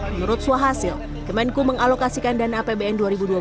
menurut suhasil kemenku mengalokasikan dana apbn dua ribu dua puluh